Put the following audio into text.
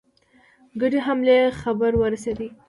ګډې حملې خبر ورسېدی.